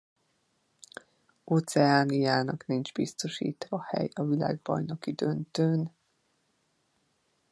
Óceániának nincs biztosítva hely a világbajnoki döntőn.